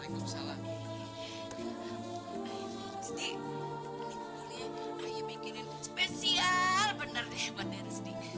siti ini bukunya ayam bikinan spesial benar deh buatnya